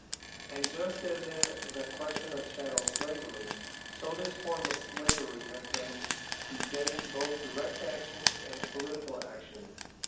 And just as in the question of chattel slavery, so this form of slavery has been begetting both direct action and political action.